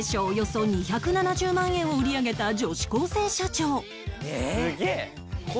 およそ２７０万円を売り上げた女子高生社長